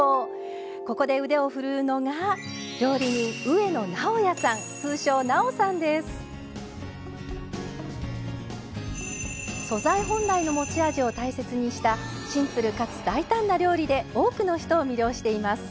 ここで腕を振るうのが素材本来の持ち味を大切にしたシンプルかつ大胆な料理で多くの人を魅了しています。